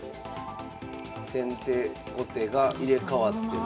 先手後手が入れ代わっても。